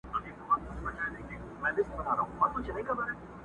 پر مردارو وي راټول پر لویو لارو.!